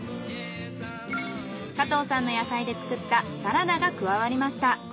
加藤さんの野菜で作ったサラダが加わりました。